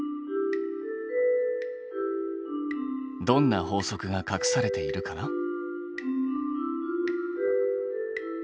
どんな法則がかくされているかな？